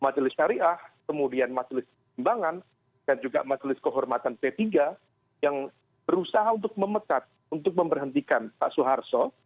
pertah kemudian majelis kekembangan dan juga majelis kehormatan p tiga yang berusaha untuk memecat untuk memberhentikan pak suarso